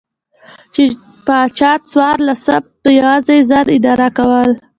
چې پاچا څوارلسم په یوازې ځان اداره کوله.